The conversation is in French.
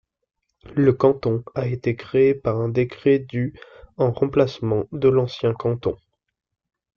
Le canton a été créé par un décret du en remplacement de l'ancien canton.